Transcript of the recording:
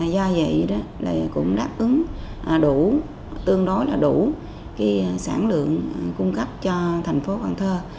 do vậy cũng đáp ứng đủ tương đối là đủ sản lượng cung cấp cho thành phố cần thơ